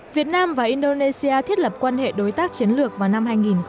việt nam và indonesia thiết lập quan hệ đối tác chiến lược vào năm hai nghìn một mươi ba